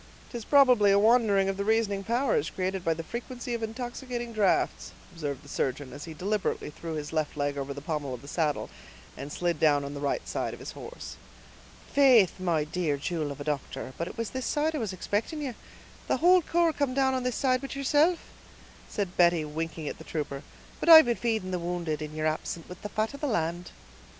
"'Tis probably a wandering of the reasoning powers, created by the frequency of intoxicating drafts," observed the surgeon, as he deliberately threw his left leg over the pommel of the saddle, and slid down on the right side of his horse. "Faith, my dear jewel of a doctor, but it was this side I was expicting you; the whole corps come down on this side but yeerself," said Betty, winking at the trooper; "but I've been feeding the wounded, in yeer absence, with the fat of the land."